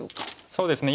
そうですね